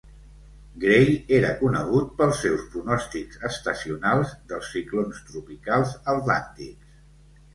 Gray era conegut pels seus pronòstics estacionals dels ciclons tropicals Atlàntics.